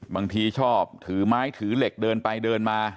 บางทีชอบถือไม้ถือเหล็กเดินไปเดินมา